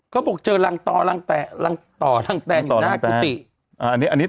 เขาบอกเจอรังต่อรังแตนอยู่หน้ากุปิ